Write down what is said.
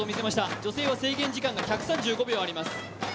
女性は制限時間が１２５秒あります。